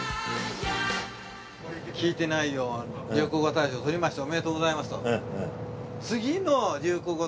「“聞いてないよォ”流行語大賞取りましたおめでとうございます」と。